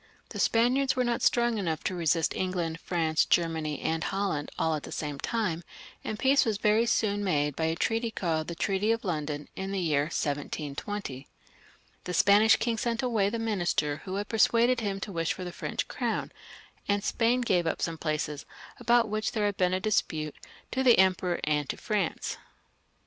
The Spaniards were not strong enough to resist England, France, Germany, and Holland, all at the same time, and peace was very soon made by a treaty called the Treaty of London, in the year 1720. The Spanish king sent away the minister who had persuaded him to wish for the French crown, and Spain gave up some places about which there had been a disptttejxtq^ the Emperor and to France.